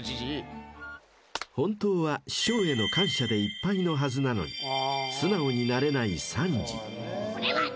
［本当は師匠への感謝でいっぱいのはずなのに素直になれないサンジ］